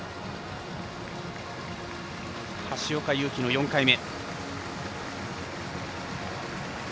橋岡優輝の４回目。